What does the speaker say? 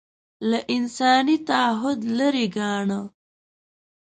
له انساني تعهد لرې ګاڼه